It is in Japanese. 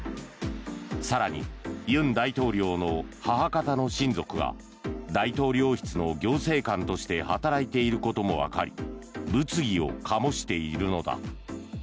更に、尹大統領の母方の親族が大統領室の行政官として働いていることもわかり物議を醸しているのだ。